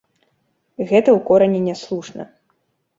Гэта ў корані няслушна.